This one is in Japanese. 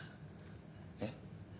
えっ？